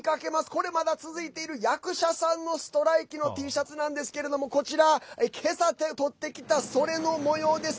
これは、まだ続いている役者さんのストライキのＴシャツなんですけれどもこちら、今朝撮ってきたそれのもようです。